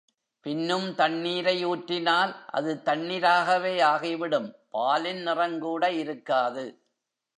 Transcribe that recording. பின்னும் தண்ணீரை ஊற்றினால் அது தண்ணிராகவே ஆகிவிடும் பாலின் நிறங்கூட இருக்காது.